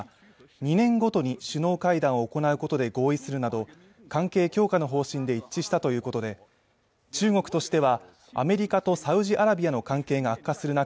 ２年ごとに首脳会談を行うことで合意するなど関係強化の方針で一致したということで中国としてはアメリカとサウジアラビアの関係が悪化する中